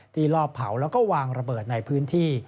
ที่รอบเผาและวางระเบิดในพื้นที่